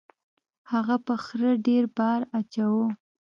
هغه په خره ډیر بار اچاوه.